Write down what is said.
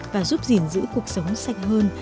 và giúp giữ cuộc sống sạch hơn